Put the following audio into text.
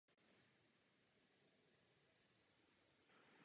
Vrchol je zalesněný a bez výhledu.